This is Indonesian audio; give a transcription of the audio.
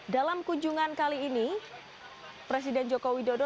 dalam kunjungan kali ini presiden joko widodo